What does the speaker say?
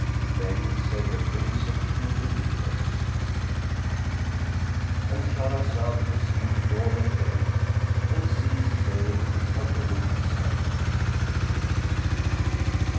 Then said the Prince of True Believers,—And Shahrazad perceived the dawn of day and ceased saying her permitted say.